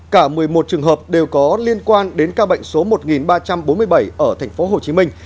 cả một mươi một trường hợp đều có liên quan đến ca bệnh số một ba trăm bốn mươi bảy ở thành phố hồ chí minh